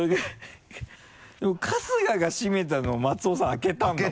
春日が閉めたのを松尾さん開けたんだもんね。